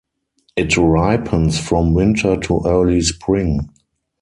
It ripens from winter to early spring.